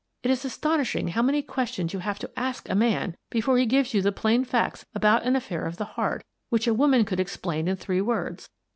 It is astonishing how many questions you have to ask a man before he gives you the plain facts about an affair of the heart which a woman could explain in three words.